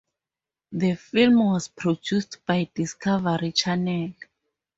The film was produced by Discovery Channel.